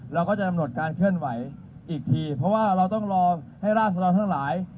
เราก็จะกำหนดการเคลื่อนไหวอีกทีเพราะว่าเราต้องรอให้ร่างของเราทั้งหลาย